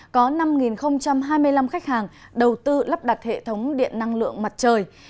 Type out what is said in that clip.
có năm hai mươi năm khách hàng đầu tư lắp đặt hệ thống điện năng lượng mặt trời